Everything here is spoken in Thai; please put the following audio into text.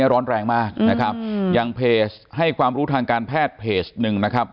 ร้อนแรงมากนะครับอย่างเพจให้ความรู้ทางการแพทย์เพจหนึ่งนะครับ